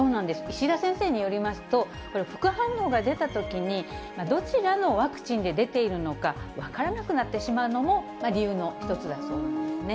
石田先生によりますと、これ、副反応が出たときに、どちらのワクチンで出ているのか分からなくなってしまうのも、理由の一つだそうなんですね。